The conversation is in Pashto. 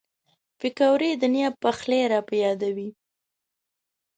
پکورې د نیا پخلی را په یادوي